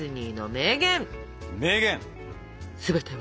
名言。